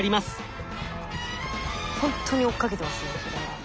ほんとに追っかけてますね。